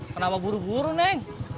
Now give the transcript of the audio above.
kenapa buru buru neng